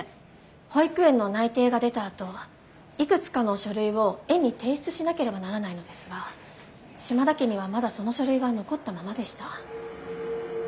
保育園の内定が出たあといくつかの書類を園に提出しなければならないのですが島田家にはまだその書類が残ったままでした。